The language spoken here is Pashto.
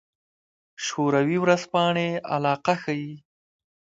شوروي ورځپاڼې علاقه ښيي.